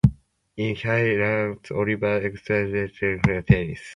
In high school, Oliver excelled in tennis, basketball, and track and field.